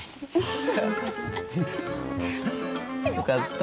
よかった。